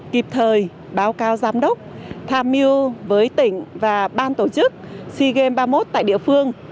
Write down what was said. kịp thời báo cáo giám đốc tham mưu với tỉnh và ban tổ chức sea games ba mươi một tại địa phương